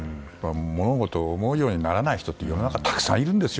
物事が思うようにならない人って世の中たくさんいるんですよ。